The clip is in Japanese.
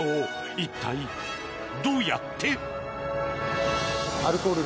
一体、どうやって？